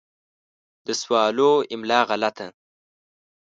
د سوالو املا غلطه